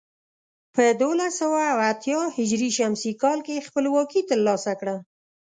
په دولس سوه اتيا ه ش کې خپلواکي تر لاسه کړه.